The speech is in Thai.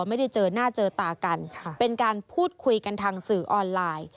ไม่ได้เจอหน้าเจอตากันเป็นการพูดคุยกันทางสื่อออนไลน์